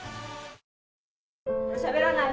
え．．．しゃべらない。